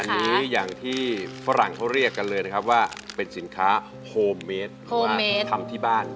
อันนี้อย่างที่ฝรั่งเขาเรียกกันเลยนะครับว่าเป็นสินค้าโฮมเมดเพราะว่าทำที่บ้าน